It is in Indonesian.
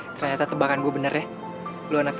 ternyata tebakan gue bener ya lo anak tujuh ratus dua belas